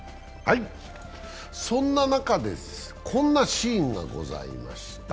そんな中、こんなシーンがございました。